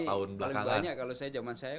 tahun belakangan kalau zaman saya